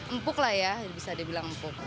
empuk lah ya bisa dibilang empuk